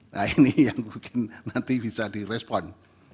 nah ini yang mungkin nanti bisa direspon